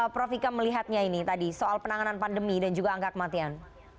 prof ika melihatnya ini tadi soal penanganan pandemi dan juga angka kematian